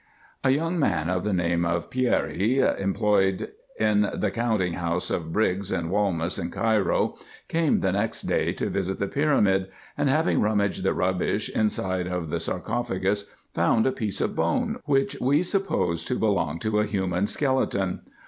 IN EGYPT, NUBIA, Sec. 275 A young man of the name of Pieri, employed in the counting house of Briggs and Walmas in Cairo, came the next day to visit the pyramid, and, having rummaged the rubbish inside of the sar cophagus, found a piece of bone, which we supposed to belong to a human skeleton.